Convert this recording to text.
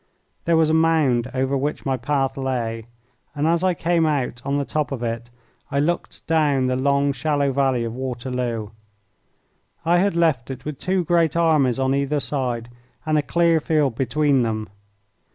There was a mound over which my path lay, and as I came out on the top of it I looked down the long, shallow valley of Waterloo. I had left it with two great armies on either side and a clear field between them.